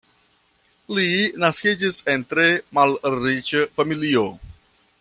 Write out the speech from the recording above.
Li naskiĝis en tre malriĉa familio.